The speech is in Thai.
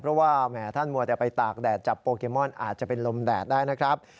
เพราะว่าแหมท่านมัวแต่ไปตากแดดจับโปเกมอนอาจจะเป็นลมแดดได้นะครับ